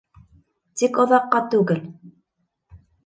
Тик оҙаҡҡа түгел.